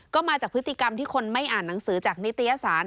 ก็มาจากพฤติกรรมที่คนไม่อ่านหนังสือจากนิตยสาร